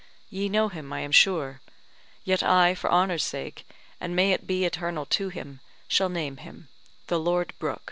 Ye know him, I am sure; yet I for honour's sake, and may it be eternal to him, shall name him, the Lord Brook.